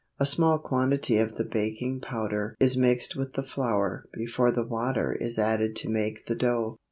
A small quantity of the baking powder is mixed with the flour before the water is added to make the dough.